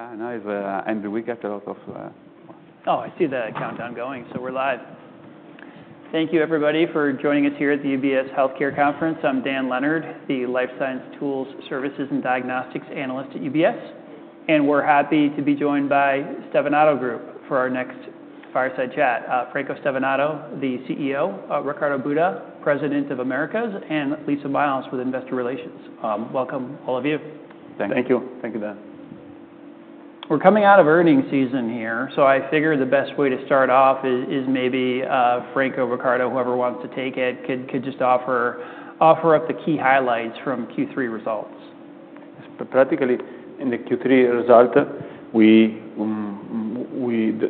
Oh, yeah. And I've ended the week after a lot of, Oh, I see the countdown going, so we're live. Thank you, everybody, for joining us here at the UBS Healthcare Conference. I'm Dan Leonard, the Life Science Tools Services and Diagnostics Analyst at UBS. And we're happy to be joined by Stevanato Group for our next fireside chat. Franco Stevanato, the CEO; Riccardo Butta, President of Americas; and Lisa Miles with Investor Relations. Welcome, all of you. Thank you. Thank you, Dan. We're coming out of earnings season here, so I figure the best way to start off is maybe, Franco, Riccardo, whoever wants to take it, could just offer up the key highlights from Q3 results. Practically, in the Q3 result,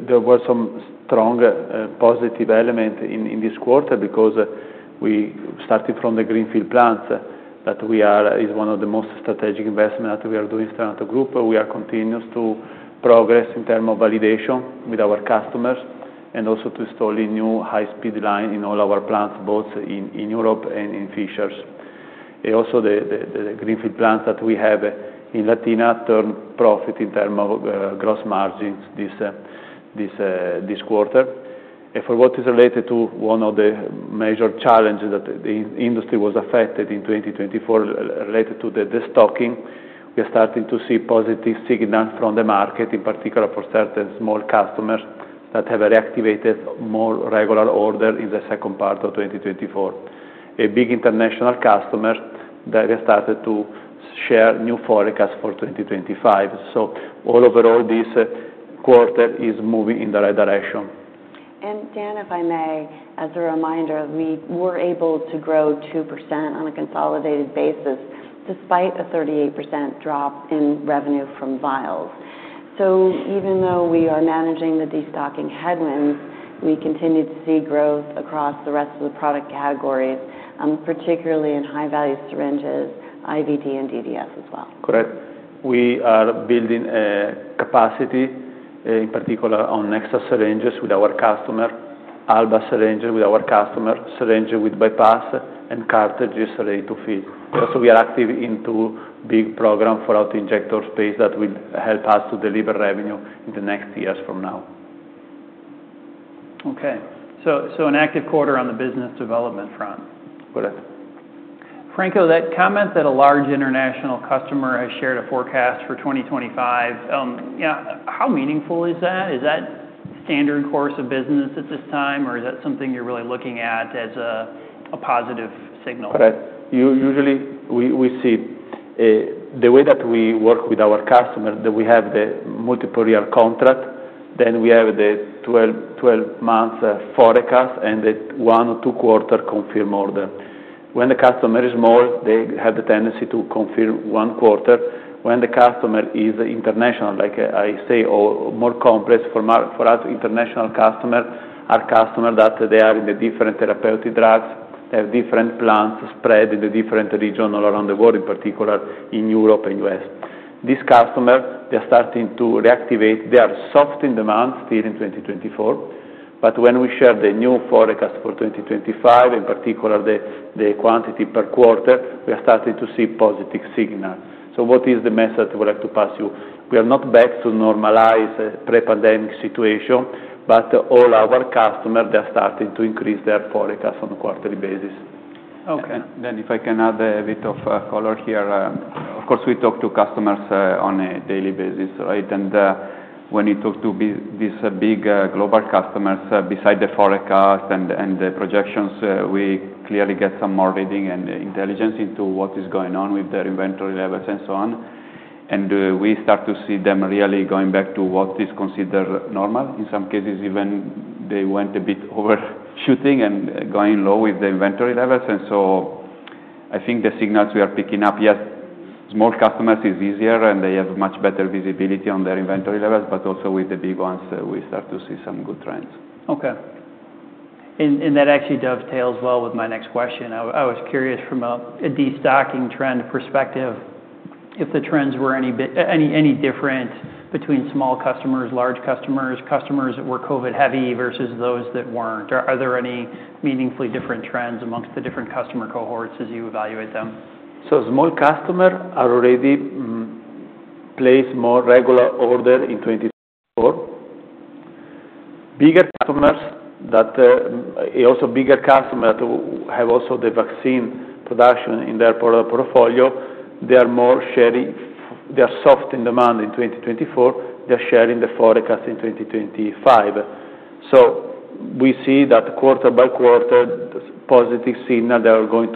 there were some strong, positive elements in this quarter because we started from the greenfield plants that we are, is one of the most strategic investments that we are doing at Stevanato Group. We continue to progress in terms of validation with our customers and also to installing new high-speed line in all our plants, both in Europe and in Fishers. And also, the greenfield plants that we have in Latina turned profit in terms of gross margins this quarter. And for what is related to one of the major challenges that the industry was affected in 2024, related to the destocking, we are starting to see positive signals from the market, in particular for certain small customers that have reactivated more regular order in the second part of 2024.A big international customer that has started to share new forecasts for 2025, so all overall, this quarter is moving in the right direction. Dan, if I may, as a reminder, we were able to grow 2% on a consolidated basis despite a 38% drop in revenue from vials. So even though we are managing the destocking headwinds, we continue to see growth across the rest of the product categories, particularly in high-value syringes, IVD, and DDS as well. Correct. We are building capacity, in particular on Nexa syringes with our customer, Alba syringes with our customer, syringes with bypass, and cartridges ready-to-fill. Also, we are active in two big programs for the auto-injector space that will help us to deliver revenue in the next years from now. Okay, so an active quarter on the business development front? Correct. Franco, that comment that a large international customer has shared a forecast for 2025, you know, how meaningful is that? Is that standard course of business at this time, or is that something you're really looking at as a positive signal? Correct. Usually, we see the way that we work with our customer, that we have the multiple year contract, then we have the 12-month forecast and the one- or two-quarter confirmed order. When the customer is small, they have the tendency to confirm one quarter. When the customer is international, like I say, or more complex for our international customer, our customer that they are in the different therapeutic drugs, they have different plants spread in the different region all around the world, in particular in Europe and U.S. This customer, they are starting to reactivate. They are soft in demand still in 2024. But when we share the new forecast for 2025, in particular the quantity per quarter, we are starting to see positive signal. So what is the message that we would like to pass you? We are not back to normal, a pre-pandemic situation, but all our customers, they are starting to increase their forecast on a quarterly basis. Okay. Yeah. Then if I can add a bit of color here, of course, we talk to customers on a daily basis, right? And when you talk to these big global customers, besides the forecast and the projections, we clearly get some more reading and intelligence into what is going on with their inventory levels and so on. And we start to see them really going back to what is considered normal. In some cases, even they went a bit overshooting and going low with the inventory levels. And so I think the signals we are picking up, yes, small customers is easier, and they have much better visibility on their inventory levels, but also with the big ones, we start to see some good trends. Okay. And that actually dovetails well with my next question. I was curious from a destocking trend perspective, if the trends were any different between small customers, large customers, customers that were COVID-heavy versus those that weren't. Are there any meaningfully different trends amongst the different customer cohorts as you evaluate them? Small customers are already placing more regular orders in 2024. Bigger customers that also have the vaccine production in their product portfolio, they are more sharing if they are soft in demand in 2024. They are sharing the forecast in 2025. We see that quarter by quarter, positive signals they are going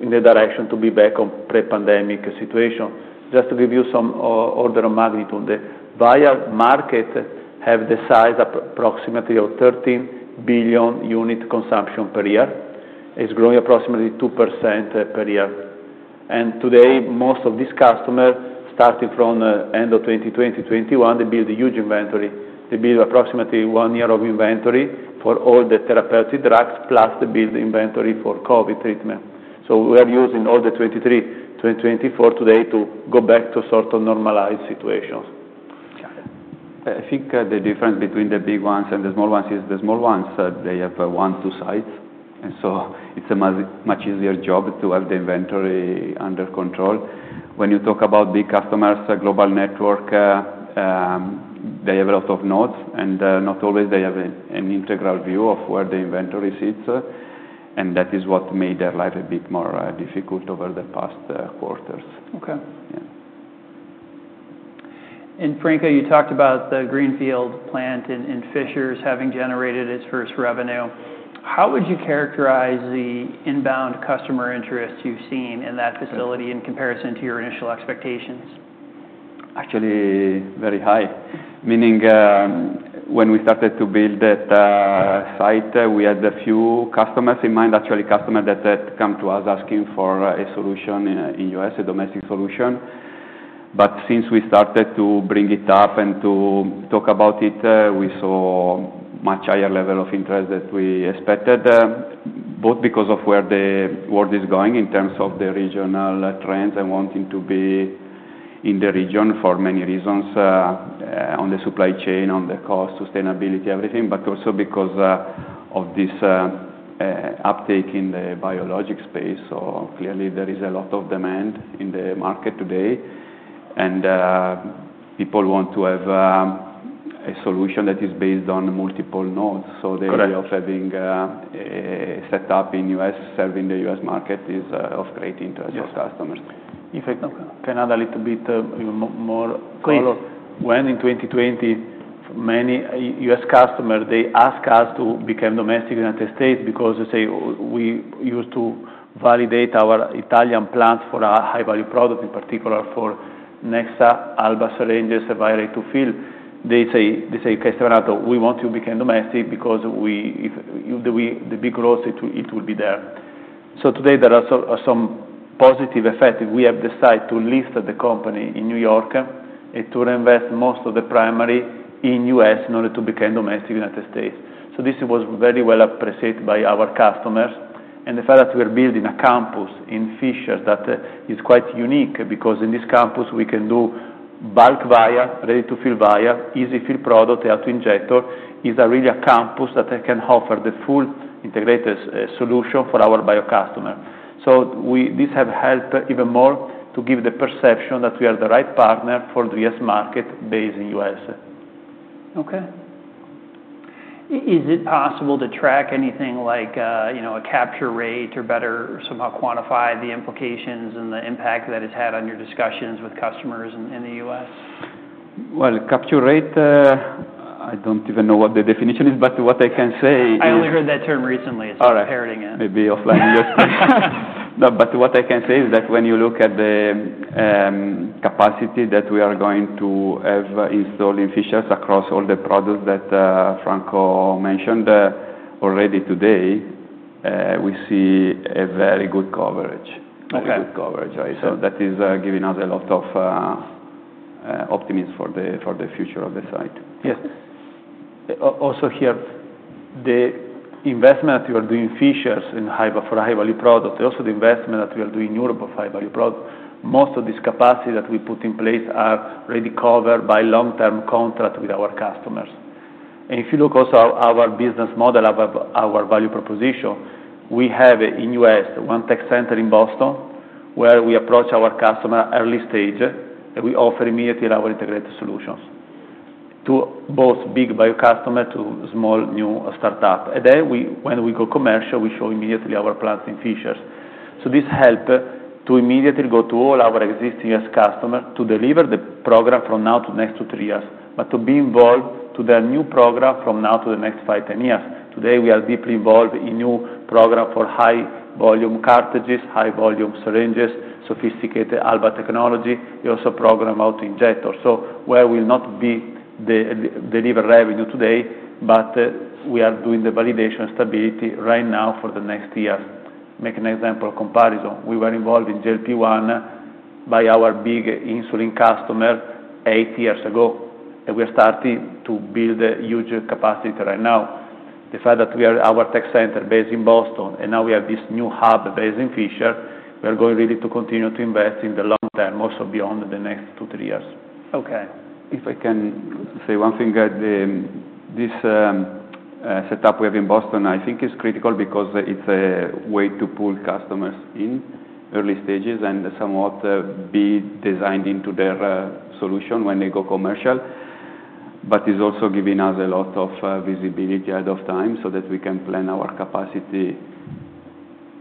in the direction to be back to pre-pandemic situation. Just to give you some order of magnitude, the vial market has the size approximately of 13 billion units consumption per year. It is growing approximately 2% per year. Today, most of these customers, starting from end of 2020, 2021, they built a huge inventory. They built approximately one year of inventory for all the therapeutic drugs plus they built inventory for COVID treatment. We are using all the 2023, 2024 to today to go back to sort of normalized situations. Got it. I think the difference between the big ones and the small ones is the small ones, they have one, two sites. And so it's a much easier job to have the inventory under control. When you talk about big customers, global network, they have a lot of nodes, and not always they have an integral view of where the inventory sits. And that is what made their life a bit more difficult over the past quarters. Okay. Yeah. Franco, you talked about the greenfield plant in Fishers having generated its first revenue. How would you characterize the inbound customer interest you've seen in that facility in comparison to your initial expectations? Actually, very high. Meaning, when we started to build that site, we had a few customers in mind, actually a customer that came to us asking for a solution in the U.S., a domestic solution. But since we started to bring it up and to talk about it, we saw a much higher level of interest than we expected, both because of where the world is going in terms of the regional trends and wanting to be in the region for many reasons, on the supply chain, on the cost, sustainability, everything, but also because of this uptake in the biologics space. So clearly, there is a lot of demand in the market today. And people want to have a solution that is based on multiple nodes. So they. Correct. Way of having set up in U.S. serving the U.S. market is of great interest for customers. Okay. If I can add a little bit, more color. Please. When in 2020, many U.S. customers, they ask us to become domestic in the United States because they say, we used to validate our Italian plants for a high-value product, in particular for Nexa, Alba syringes, vials ready-to-fill. They say, "Okay, Stevanato, we want to become domestic because we, if the big growth, it will be there." So today, there are some positive effects. We have decided to list the company in New York and to reinvest most of the proceeds in the U.S. in order to become domestic in the United States. So this was very well appreciated by our customers. And the fact that we are building a campus in Fishers that is quite unique because in this campus, we can do bulk vial, ready-to-fill vial, EZ-fill product, auto-injector. It is really a campus that can offer the full integrated solution for our bio customer. So this has helped even more to give the perception that we are the right partner for the U.S. market based in U.S. Okay. Is it possible to track anything like, you know, a capture rate or better somehow quantify the implications and the impact that it's had on your discussions with customers in the U.S? Capture rate, I don't even know what the definition is, but what I can say. I only heard that term recently as comparing. All right. Maybe offline we speak. No, but what I can say is that when you look at the capacity that we are going to have installed in Fishers across all the products that Franco mentioned, already today, we see a very good coverage. Okay. Very good coverage, right? So that is giving us a lot of optimism for the future of the site. Yes. also here, the investment that we are doing in Fishers for high-value product, also the investment that we are doing in Europe for high-value product. Most of this capacity that we put in place is already covered by long-term contracts with our customers. And if you look also at our business model, our value proposition, we have in the U.S. one tech center in Boston where we approach our customer early stage, and we offer immediately our integrated solutions to both big bio customers and small new startups. And then when we go commercial, we show immediately our plants in Fishers. So this helps to immediately go to all our existing U.S. customers to deliver the program from now to next two to three years, but to be involved in their new program from now to the next 5 to 10 years. Today, we are deeply involved in new program for high-volume cartridges, high-volume syringes, sophisticated Alba technology, and also program auto-injector. So where we'll not be delivering revenue today, but we are doing the validation stability right now for the next years. Make an example of comparison. We were involved in GLP-1 by our big insulin customer eight years ago, and we are starting to build a huge capacity right now. The fact that we have our tech center based in Boston, and now we have this new hub based in Fishers, we are going really to continue to invest in the long term, also beyond the next two, three years. Okay. If I can say one thing, this setup we have in Boston, I think, is critical because it's a way to pull customers in early stages and somewhat be designed into their solution when they go commercial, but is also giving us a lot of visibility ahead of time so that we can plan our capacity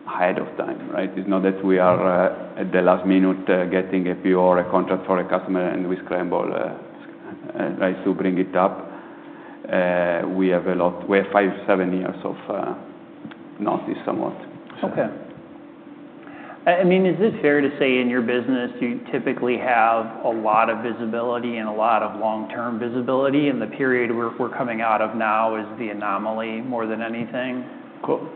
ahead of time, right? It's not that we are at the last minute getting a PO or a contract for a customer, and we scramble, right, to bring it up. We have five, seven years of notice somewhat. Okay. I mean, is it fair to say in your business, you typically have a lot of visibility and a lot of long-term visibility? And the period we're coming out of now is the anomaly more than anything?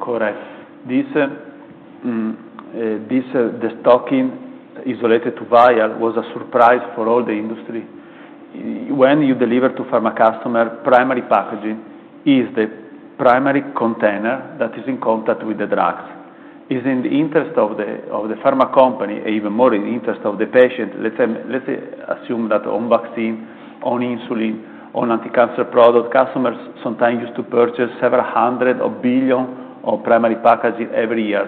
Correct. This, the destocking isolated to vials was a surprise for all the industry. If when you deliver to pharma customer, primary packaging is the primary container that is in contact with the drugs. It's in the interest of the pharma company, even more in interest of the patient. Let's say assume that on vaccine, on insulin, on anti-cancer product, customers sometimes used to purchase several hundred or billion of primary packaging every year.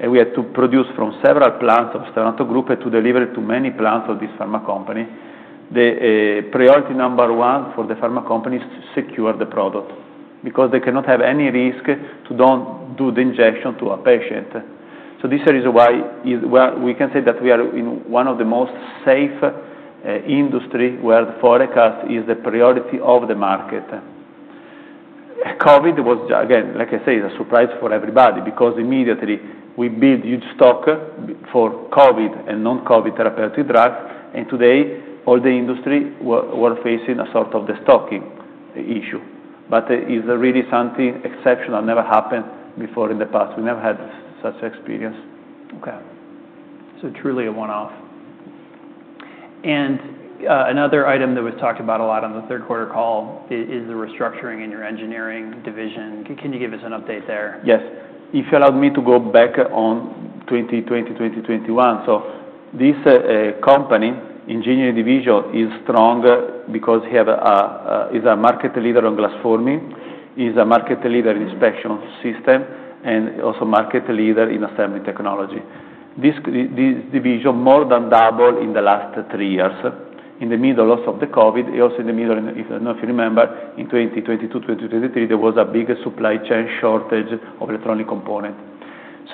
And we had to produce from several plants of Stevanato Group and to deliver it to many plants of this pharma company. The priority number one for the pharma company is to secure the product because they cannot have any risk to don't do the injection to a patient. This is the reason why. Well, we can say that we are in one of the most safe industry where the forecast is the priority of the market. COVID was just again, like I say, a surprise for everybody because immediately we build huge stock build for COVID and non-COVID therapeutic drugs. And today, all the industry were facing a sort of destocking issue. But it's really something exceptional never happened before in the past. We never had such experience. Okay. So truly a one-off. And, another item that was talked about a lot on the third-quarter call is the restructuring in your engineering division. Can you give us an update there? Yes. If you allow me to go back on 2020, 2021, so this company engineering division is strong because it is a market leader on glass forming, is a market leader in inspection system, and also market leader in assembly technology. This division more than doubled in the last three years. In the middle also of the COVID, if I don't know if you remember, in 2022, 2023, there was a big supply chain shortage of electronic component.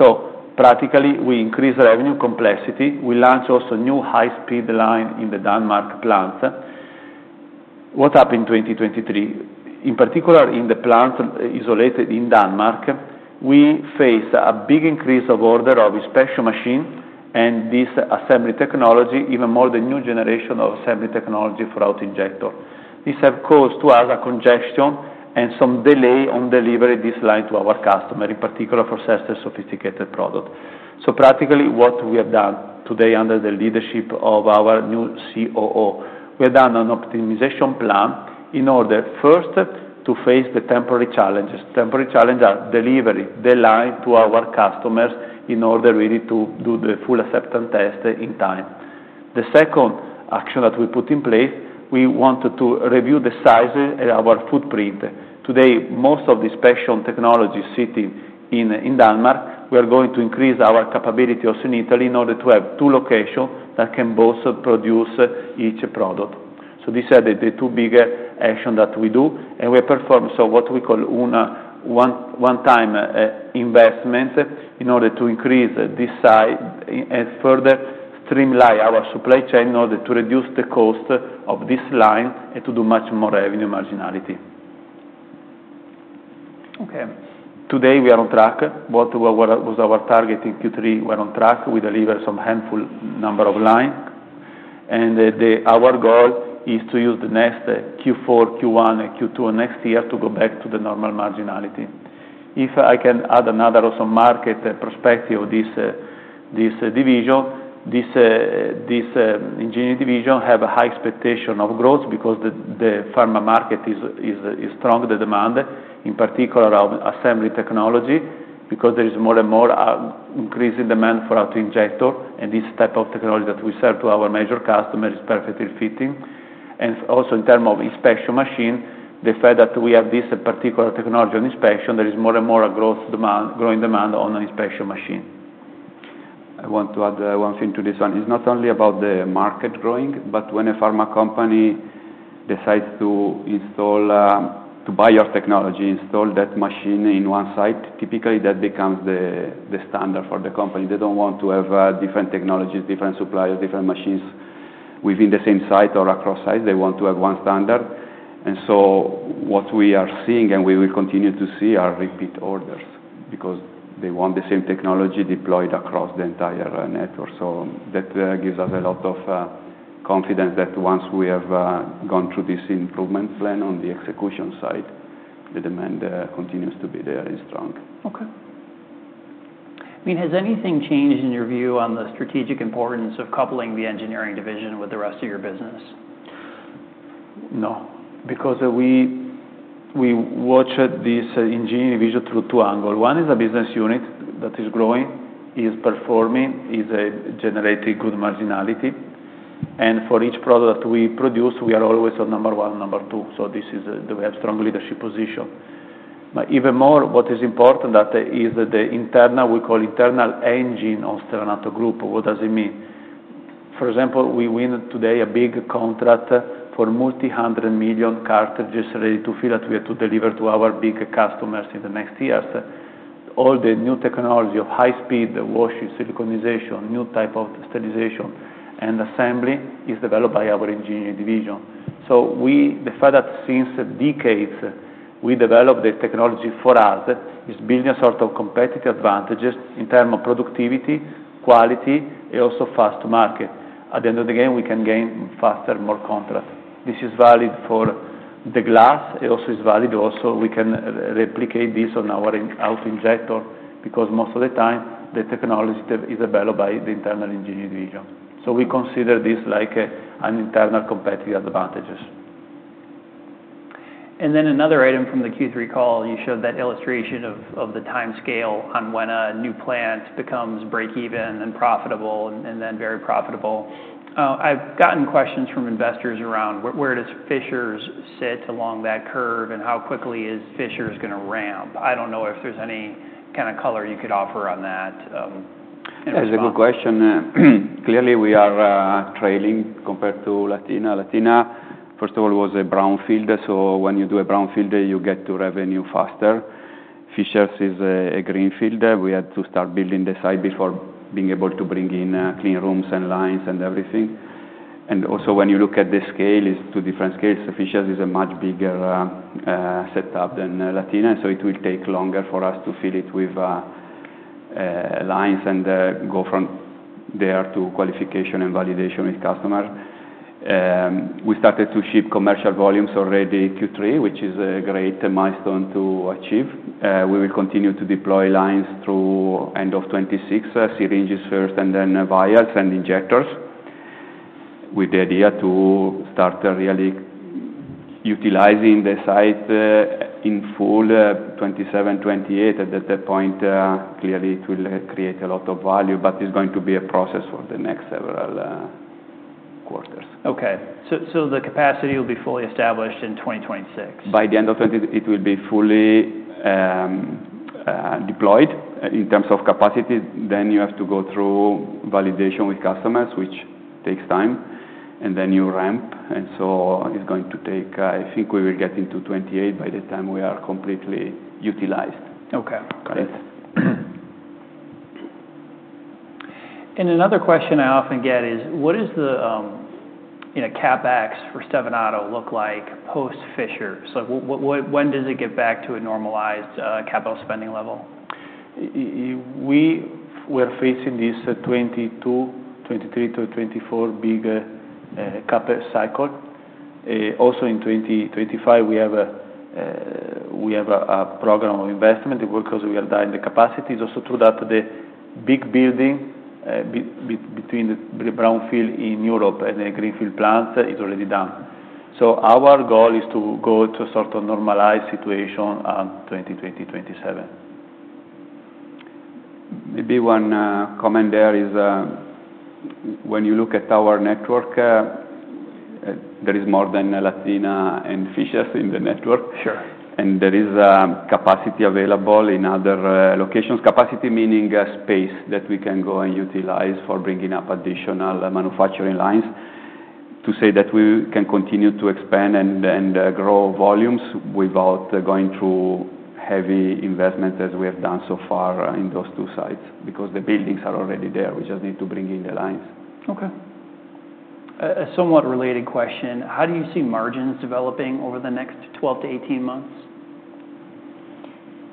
So practically, we increased revenue complexity. We launched also new high-speed line in the Denmark plant. What happened in 2023? In particular, in the plants located in Denmark, we faced a big increase of order of inspection machine and this assembly technology, even more the new generation of assembly technology for auto-injector. This have caused to us a congestion and some delay on delivering this line to our customer, in particular for sensor sophisticated product. So practically, what we have done today under the leadership of our new COO, we have done an optimization plan in order first to face the temporary challenges. Temporary challenge are delivering the line to our customers in order really to do the full acceptance test in time. The second action that we put in place, we wanted to review the size and our footprint. Today, most of the inspection technology sitting in Denmark, we are going to increase our capability also in Italy in order to have two locations that can both produce each product. So these are the two big action that we do. We perform so what we call a one-time investment in order to increase this size and further streamline our supply chain in order to reduce the cost of this line and to do much more revenue marginality. Okay. Today, we are on track. What was our target in Q3? We are on track. We deliver some handful number of line. Our goal is to use the next Q4, Q1, and Q2 next year to go back to the normal marginality. If I can add another also market perspective of this division, this engineering division have a high expectation of growth because the pharma market is strong, the demand in particular of assembly technology, because there is more and more increasing demand for auto-injector. And this type of technology that we serve to our major customer is perfectly fitting. And also in terms of inspection machine, the fact that we have this particular technology on inspection, there is more and more growing demand on inspection machine. I want to add one thing to this one. It's not only about the market growing, but when a pharma company decides to buy your technology, install that machine in one site, typically that becomes the standard for the company. They don't want to have different technologies, different suppliers, different machines within the same site or across site. They want to have one standard, and so what we are seeing, and we will continue to see, are repeat orders because they want the same technology deployed across the entire network, so that gives us a lot of confidence that once we have gone through this improvement plan on the execution side, the demand continues to be there and strong. Okay. I mean, has anything changed in your view on the strategic importance of coupling the engineering division with the rest of your business? No. Because we watched this engineering division through two angles. One is a business unit that is growing, performing, generating good marginality. And for each product we produce, we are always on number one and number two. So this is. We have strong leadership position. But even more, what is important is that the internal we call internal engine of Stevanato Group. What does it mean? For example, we win today a big contract for multi-hundred million cartridges ready-to-fill that we have to deliver to our big customers in the next years. All the new technology of high-speed washing, siliconization, new type of sterilization, and assembly is developed by our engineering division. So the fact that since decades we developed the technology for us is building a sort of competitive advantages in terms of productivity, quality, and also fast to market. At the end of the day, we can gain faster and more contracts. This is valid for the glass. It also is valid. We can also replicate this on our auto-injector because most of the time the technology that is developed by the internal engineering division. So we consider this like an internal competitive advantage. And then another item from the Q3 call, you showed that illustration of the time scale on when a new plant becomes break-even and profitable and then very profitable. I've gotten questions from investors around where does Fishers sit along that curve and how quickly is Fishers gonna ramp? I don't know if there's any kinda color you could offer on that, and if there's. That's a good question. Clearly, we are trailing compared to Latina. Latina, first of all, was a brownfield. So when you do a brownfield, you get to revenue faster. Fishers is a greenfield. We had to start building the site before being able to bring in cleanrooms and lines and everything. And also when you look at the scale, it's two different scales. So Fishers is a much bigger setup than Latina. So it will take longer for us to fill it with lines and go from there to qualification and validation with customers. We started to ship commercial volumes already Q3, which is a great milestone to achieve. We will continue to deploy lines through the end of 2026, syringes first, and then vials and injectors with the idea to start really utilizing the site, in full, 2027, 2028. At that point, clearly, it will create a lot of value, but it's going to be a process for the next several quarters. Okay. So, the capacity will be fully established in 2026? By the end of 2026, it will be fully deployed. In terms of capacity, then you have to go through validation with customers, which takes time, and then you ramp. And so it's going to take. I think we will get into 2028 by the time we are completely utilized. Okay. Correct. Another question I often get is, what is the, you know, CapEx for Stevanato look like post-Fishers? Like, when does it get back to a normalized, capital spending level? We are facing this 2022, 2023 to 2024 big CapEx cycle. Also in 2025, we have a program of investment because we are driving the capacity. It is also true that the big building between the brownfield in Europe and the greenfield plant is already done. Our goal is to go to a sort of normalized situation in 2025 to 2027. The big comment there is, when you look at our network, there is more than Latina and Fishers in the network. Sure. There is capacity available in other locations. Capacity meaning space that we can go and utilize for bringing up additional manufacturing lines to say that we can continue to expand and grow volumes without going through heavy investment as we have done so far in those two sites because the buildings are already there. We just need to bring in the lines. Okay. A somewhat related question. How do you see margins developing over the next 12 to 18 months?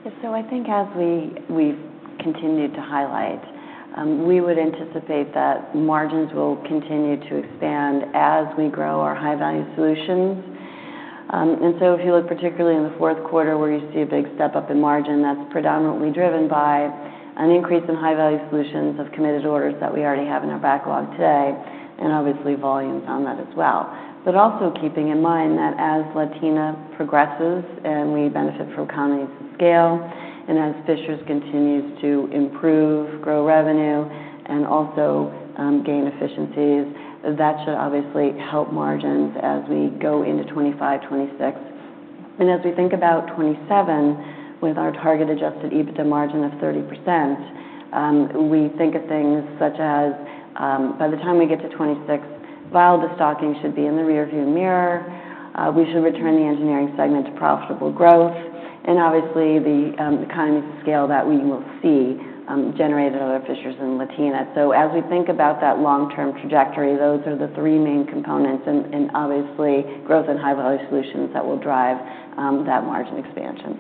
Yeah. So I think as we, we've continued to highlight, we would anticipate that margins will continue to expand as we grow our high-value solutions. And so if you look particularly in the fourth quarter where you see a big step up in margin, that's predominantly driven by an increase in high-value solutions of committed orders that we already have in our backlog today and obviously volumes on that as well. But also keeping in mind that as Latina progresses and we benefit from economies of scale and as Fishers continues to improve, grow revenue, and also gain efficiencies, that should obviously help margins as we go into 2025, 2026. And as we think about 2027 with our target Adjusted EBITDA margin of 30%, we think of things such as, by the time we get to 2026, vial destocking should be in the rearview mirror. We should return the engineering segment to profitable growth. And obviously, the economies of scale that we will see generated out of Fishers and Latina. So as we think about that long-term trajectory, those are the three main components and obviously growth in high-value solutions that will drive that margin expansion.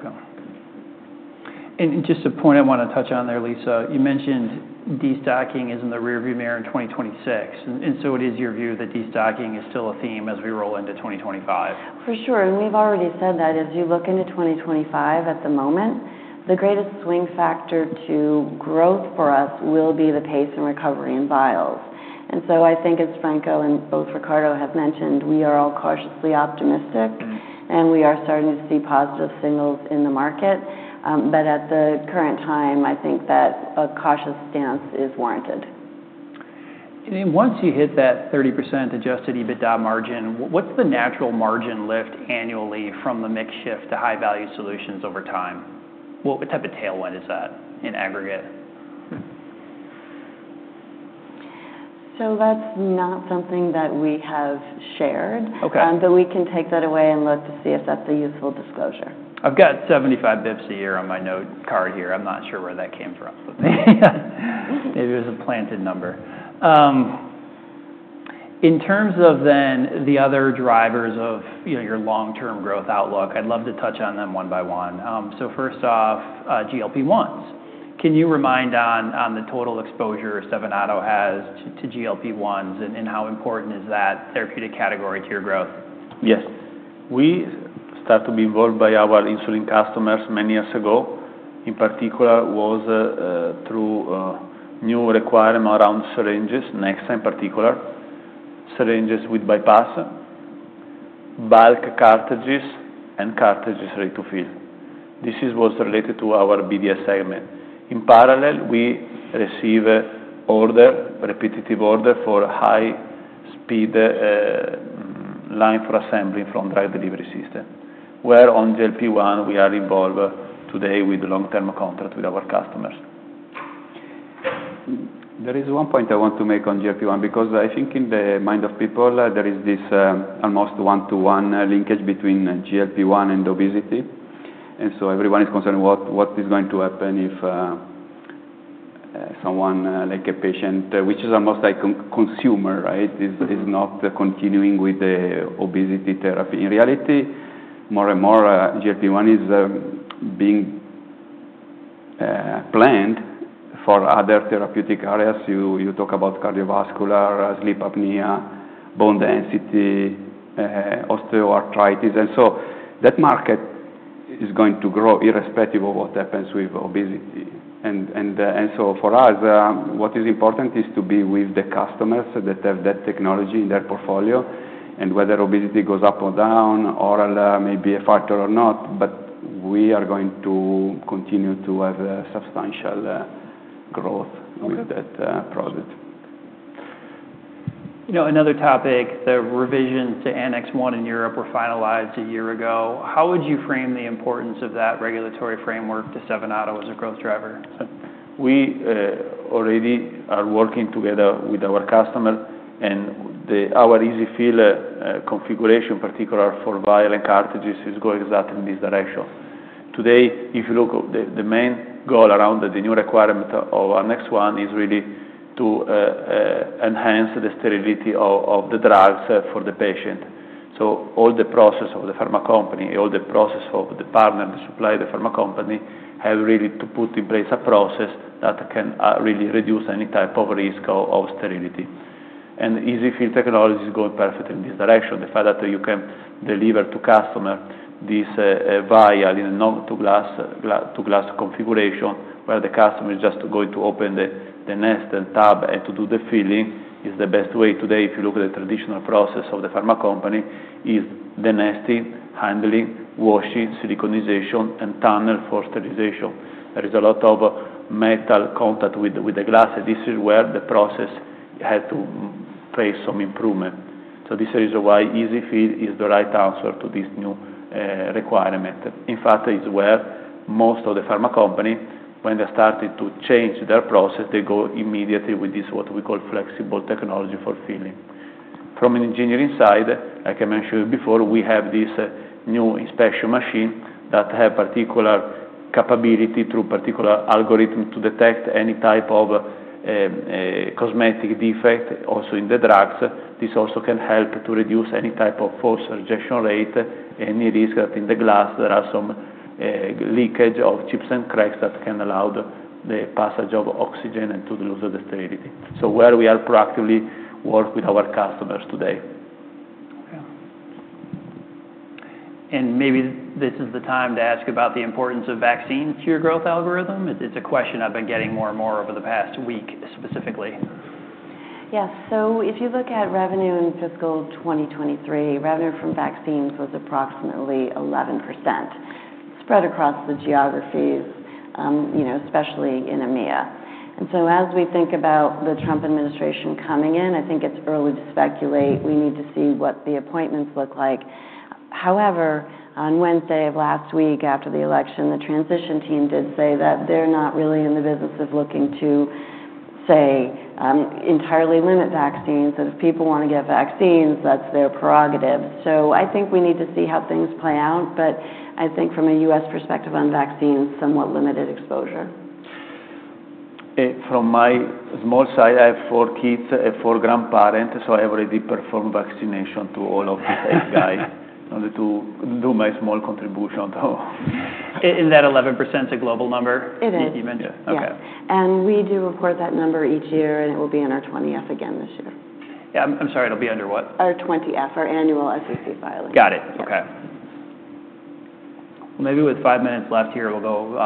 Okay. And just a point I wanna touch on there, Lisa. You mentioned destocking is in the rearview mirror in 2026. And, and so it is your view that destocking is still a theme as we roll into 2025? For sure. And we've already said that as you look into 2025 at the moment, the greatest swing factor to growth for us will be the pace and recovery in vials. And so I think, as Franco and both Riccardo have mentioned, we are all cautiously optimistic. Mm-hmm. And we are starting to see positive signals in the market. But at the current time, I think that a cautious stance is warranted. And then once you hit that 30% Adjusted EBITDA margin, what's the natural margin lift annually from the mix shift to high-value solutions over time? What type of tailwind is that in aggregate? So that's not something that we have shared. Okay. But we can take that away and look to see if that's a useful disclosure. I've got 75 basis points a year on my note card here. I'm not sure where that came from, but maybe it was a planted number. In terms of then the other drivers of, you know, your long-term growth outlook, I'd love to touch on them one by one, so first off, GLP-1s. Can you remind on the total exposure Stevanato has to GLP-1s and how important is that therapeutic category to your growth? Yes. We start to be involved by our insulin customers many years ago. In particular, it was through new requirement around syringes, Nexa, in particular, syringes with bypass, bulk cartridges, and cartridges ready-to-fill. This is what's related to our BDS segment. In parallel, we receive order, repetitive order for high-speed line for assembly from drug delivery system, where on GLP-1 we are involved today with the long-term contract with our customers. There is one point I want to make on GLP-1 because I think in the mind of people, there is this almost one-to-one linkage between GLP-1 and obesity. And so everyone is concerned what is going to happen if someone like a patient, which is almost like a consumer, right, is not continuing with the obesity therapy. In reality, more and more, GLP-1 is being planned for other therapeutic areas. You talk about cardiovascular, sleep apnea, bone density, osteoarthritis. And so that market is going to grow irrespective of what happens with obesity. And so for us, what is important is to be with the customers that have that technology in their portfolio. And whether obesity goes up or down, oral may be a factor or not, but we are going to continue to have substantial growth with that product. You know, another topic, the revision to Annex 1 in Europe was finalized a year ago. How would you frame the importance of that regulatory framework to Stevanato as a growth driver? We already are working together with our customer, and our EZ-fill configuration, particularly for vials and cartridges, is going exactly in this direction. Today, if you look at the main goal around the new requirement of Annex 1 is really to enhance the sterility of the drugs for the patient. So all the process of the pharma company, all the process of the partner, the supplier, the pharma company have really to put in place a process that can really reduce any type of risk of sterility. And EZ-fill technology is going perfectly in this direction. The fact that you can deliver to customer this vial in a glass-to-glass configuration where the customer is just going to open the nest and tub and to do the filling is the best way. Today, if you look at the traditional process of the pharma company, it's the nesting, handling, washing, siliconization, and tunnel for sterilization. There is a lot of metal contact with the glass. This is where the process has to face some improvement. So this is why EZ-fill is the right answer to this new requirement. In fact, it's where most of the pharma company, when they started to change their process, they go immediately with this, what we call flexible technology for filling. From an engineering side, like I mentioned before, we have this new inspection machine that have particular capability through particular algorithm to detect any type of cosmetic defect also in the drugs. This also can help to reduce any type of false rejection rate and any risk that in the glass there are some leaks, chips, and cracks that can allow the passage of oxygen and to lose the sterility. So, we are proactively working with our customers today. Okay. And maybe this is the time to ask about the importance of vaccines to your growth algorithm. It's a question I've been getting more and more over the past week specifically. Yeah. So if you look at revenue in fiscal 2023, revenue from vaccines was approximately 11% spread across the geographies, you know, especially in EMEA. And so as we think about the Trump administration coming in, I think it's early to speculate. We need to see what the appointments look like. However, on Wednesday of last week, after the election, the transition team did say that they're not really in the business of looking to, say, entirely limit vaccines. And if people wanna get vaccines, that's their prerogative. So I think we need to see how things play out. But I think from a U.S. perspective on vaccines, somewhat limited exposure. From my small side, I have four kids, four grandparents, so I already performed vaccination to all of the same day in order to do my small contribution to. Is that 11% a global number? It is. You mentioned. Yeah. Okay. Yeah. And we do report that number each year, and it will be in our 20-F again this year. Yeah. I'm sorry. It'll be under what? Our 20-F, our annual SEC filing. Got it. Okay. Well, maybe with five minutes left here, we'll go.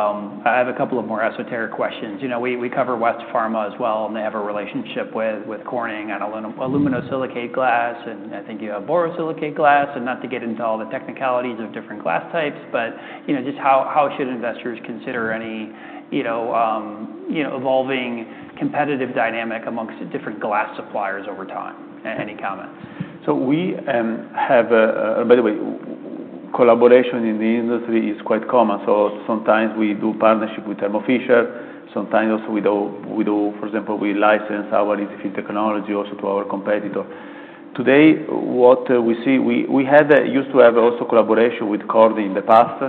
I have a couple of more esoteric questions. You know, we cover West Pharma as well, and they have a relationship with Corning on aluminosilicate glass. And I think you have borosilicate glass. And not to get into all the technicalities of different glass types, but you know, just how should investors consider any evolving competitive dynamic among different glass suppliers over time? Any comments? So we have, by the way, collaboration in the industry is quite common. So sometimes we do partnership with Thermo Fisher, sometimes also we do, for example, we license our EZ-fill technology also to our competitor. Today, what we see, we have used to have also collaboration with Corning in the past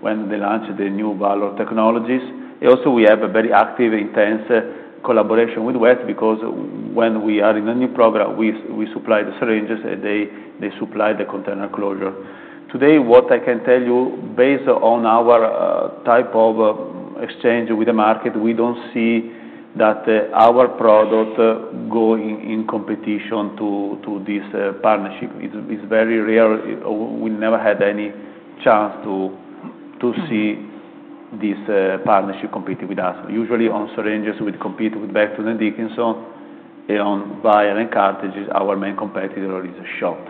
when they launched the new Valor technologies. And also, we have a very active, intense collaboration with West because when we are in a new program, we supply the syringes, and they supply the container closure. Today, what I can tell you, based on our type of exchange with the market, we don't see that our product going in competition to this partnership. It's very rare. We never had any chance to see this partnership competing with us. Usually, on syringes, we'd compete with Becton Dickinson, and on vials and cartridges, our main competitor is Schott.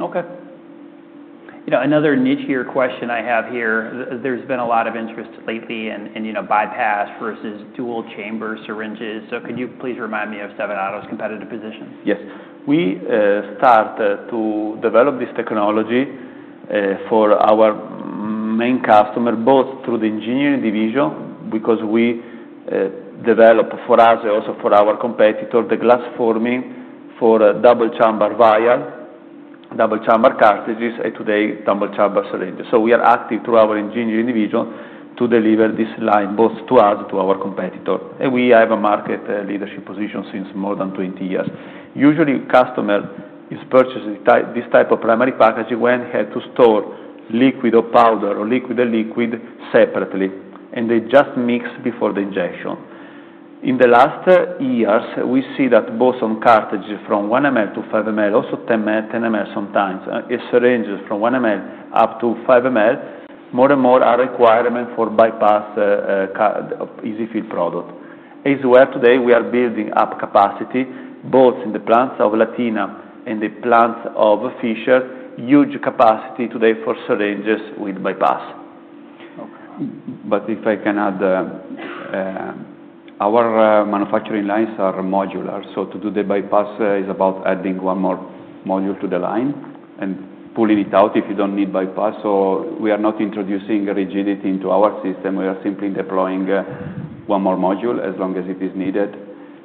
Okay. You know, another niche here question I have here. There's been a lot of interest lately in, you know, bypass versus dual chamber syringes. So could you please remind me of Stevanato's competitive position? Yes. We start to develop this technology for our main customer both through the engineering division because we developed for us and also for our competitor the glass forming for dual chamber vials, dual chamber cartridges, and today dual chamber syringes. So we are active through our engineering division to deliver this line both to us and to our competitor. And we have a market leadership position since more than 20 years. Usually, customer is purchasing this type of primary packaging when he had to store liquid or powder or liquid and liquid separately, and they just mix before the injection. In the last years, we see that both on cartridges from 1 ml to 5 ml, also 10 ml, 10 ml sometimes, syringes from 1 ml up to 5 ml, more and more are requirement for bypass EZ-fill product. It's where today we are building up capacity both in the plants of Latina and the plants of Fishers, huge capacity today for syringes with bypass. Okay. But if I can add, our manufacturing lines are modular. So to do the bypass is about adding one more module to the line and pulling it out if you don't need bypass. So we are not introducing rigidity into our system. We are simply deploying one more module as long as it is needed.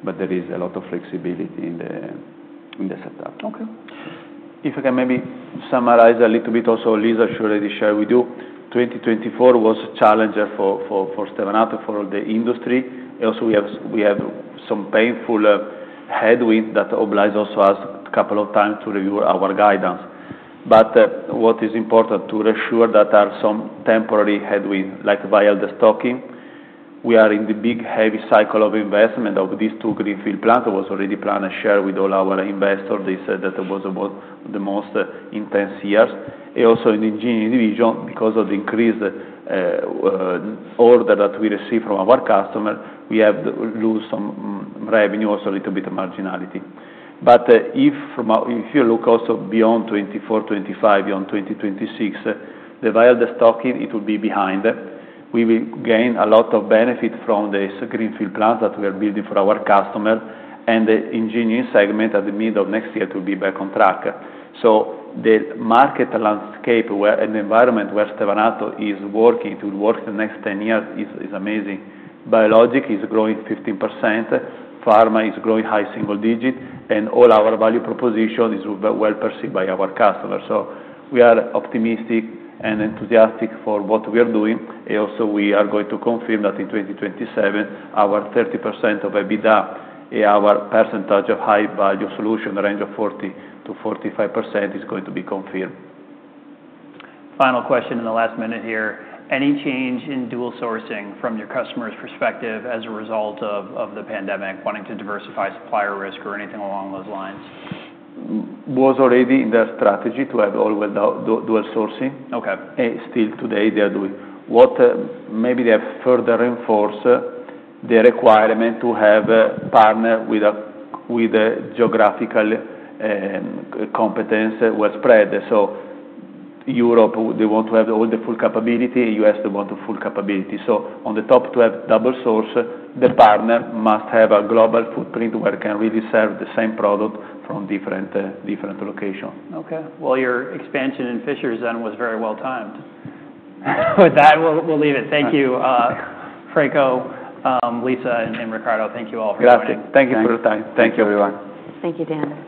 But there is a lot of flexibility in the setup. Okay. If I can maybe summarize a little bit also, Lisa should already share with you. 2024 was a challenge for Stevanato for the industry, and also we have some painful headwind that obliges also us a couple of times to review our guidance, but what is important to reassure that are some temporary headwind, like vial destocking. We are in the big heavy cycle of investment of these two greenfield plants. It was already planned and shared with all our investors. They said that it was one of the most intense years, and also in the engineering division, because of the increased order that we receive from our customer, we have to lose some revenue, also a little bit of marginality, but if you look also beyond 2024, 2025, beyond 2026, the vial destocking, it will be behind. We will gain a lot of benefit from this greenfield plant that we are building for our customer. The engineering segment at the middle of next year to be back on track. The market landscape where and the environment where Stevanato is working to work the next 10 years is amazing. Biologics is growing 15%. Pharma is growing high single digits. All our value proposition is well perceived by our customers. We are optimistic and enthusiastic for what we are doing. Also, we are going to confirm that in 2027, our 30% of EBITDA and our percentage of high-value solution, the range of 40%-45%, is going to be confirmed. Final question in the last minute here. Any change in dual sourcing from your customer's perspective as a result of the pandemic, wanting to diversify supplier risk or anything along those lines? Was already in their strategy to have all dual sourcing. Okay. Still today, they are doing what? Maybe they have further reinforced the requirement to have a partner with a geographical competence well spread, so Europe, they want to have all the full capability. U.S., they want the full capability, so on the top 12 double source, the partner must have a global footprint where it can really serve the same product from different location. Okay. Well, your expansion in Fishers then was very well timed. With that, we'll, we'll leave it. Thank you, Franco, Lisa, and, and Riccardo. Thank you all for coming. Good afternoon. Thank you for your time. Thank you, everyone. Thank you, Dan.